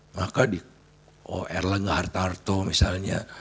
maka di erlangga hartarto misalnya